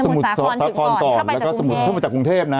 สมุดสาครถึงก่อนแล้วก็สมุดทุนมาจากกรุงเทพ